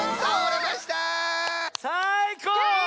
さいこう！